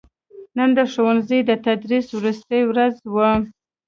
نن دښوونځي دتدریس وروستې ورځ وه